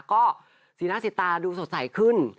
ก็สีหน้าสีตาดูสดใสขึ้น